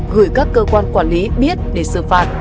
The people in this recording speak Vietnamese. gửi các cơ quan quản lý biết để xử phạt